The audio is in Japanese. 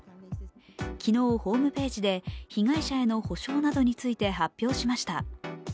昨日、ホームページで被害者への補償などについて発表しました。